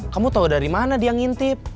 kamu tahu dari mana dia ngintip